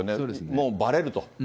もうばれると。